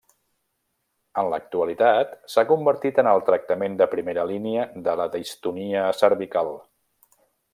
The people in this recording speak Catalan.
En l'actualitat, s'ha convertit en el tractament de primera línia de la distonia cervical.